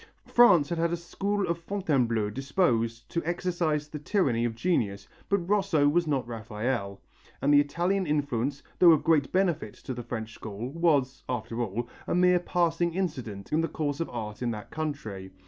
France had had a "school of Fontainebleau" disposed to exercise the tyranny of genius, but Rosso was not Raphael, and the Italian influence, though of great benefit to the French school, was, after all, a mere passing incident in the course of art in that country.